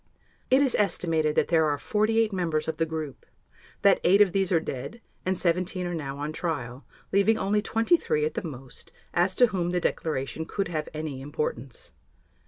It is estimated that there are 48 members of the group, that eight of these are dead and 17 are now on trial, leaving only 23 at the most, as to whom the declaration could have any importance.